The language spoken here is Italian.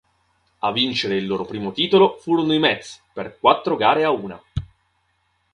A vincere il loro primo titolo furono i Mets per quattro gare a una.